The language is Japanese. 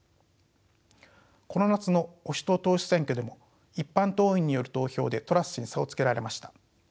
この夏の保守党党首選挙でも一般党員による投票でトラス氏に差をつけられました。